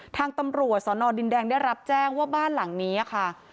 ทางตำรวจสนดินแดงได้รับแจ้งว่าบ้านหลังนี้ค่ะ